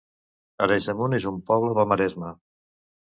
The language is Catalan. Arenys de Munt es un poble del Maresme